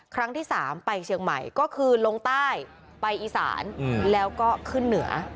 ครั้งที่๓ไปเชียงใหม่ก็คือลงใต้ไปอีสานแล้วก็ขึ้นเหนือ